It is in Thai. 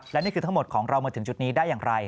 และนี่คือทั้งหมดของเรามาถึงจุดนี้ได้อย่างไร